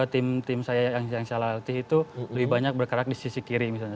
tim tim saya yang saya latih itu lebih banyak bergerak di sisi kiri misalnya